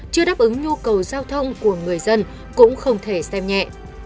chưa đáp ứng nhu cầu giao thông của người dân cũng không thể xem nhẹ